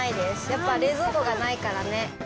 やっぱ冷蔵庫がないからね。